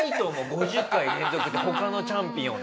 ５０回連続って他のチャンピオンで。